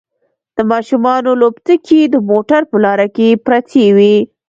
د ماشومانو لوبتکې د موټر په لاره کې پرتې وي